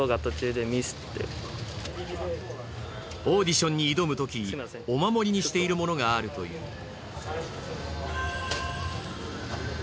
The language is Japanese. オーディションに挑むときお守りにしているものがあるという。